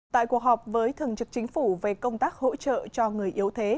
tại cuộc họp với thường trực chính phủ về công tác hỗ trợ cho người yếu thế